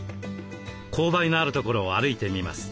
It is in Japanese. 勾配のある所を歩いてみます。